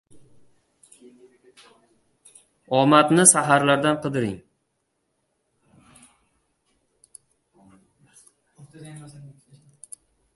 • Omadni saxarlardan qidiring.